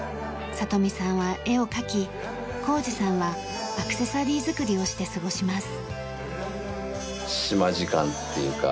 聡美さんは絵を描き幸嗣さんはアクセサリー作りをして過ごします。